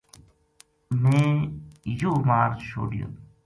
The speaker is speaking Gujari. میں یوہ مار چھوڈیو‘‘